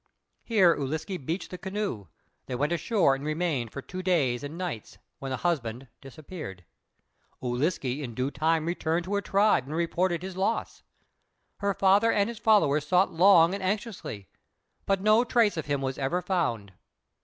Here Ūliske beached the canoe; they went ashore and remained for two days and nights, when the husband disappeared. Ūliske in due time returned to her tribe and reported his loss. Her father and his followers sought long and anxiously, but no trace of him was ever found.